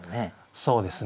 そうですね